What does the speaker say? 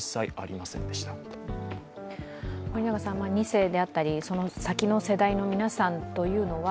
２世であったり、その先の世代の皆さんというのは